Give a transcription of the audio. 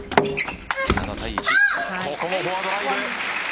ここもフォアドライブ。